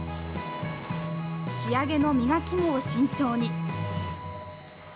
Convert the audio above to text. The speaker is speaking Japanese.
仕上げの磨きも慎重に。